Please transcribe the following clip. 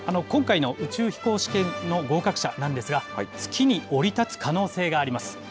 今回の宇宙飛行士試験の合格者なんですが、月に降り立つ可能性があります。